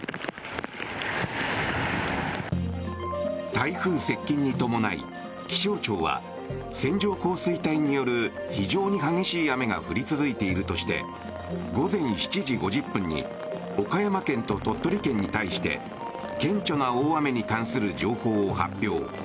台風接近に伴い、気象庁は線状降水帯による非常に激しい雨が降り続いているとして午前７時５０分に岡山県と鳥取県に対して顕著な大雨に関する情報を発表。